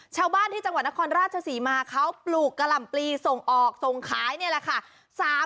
ชาวบ้านที่จังหวัดนครราชศรีมาเขาปลูกกะหล่ำปลีส่งออกส่งขายนี่แหละค่ะ